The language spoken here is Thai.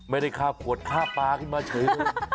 ไม่ได้ข้าบขวดข้าบปลาขึ้นมาเฉย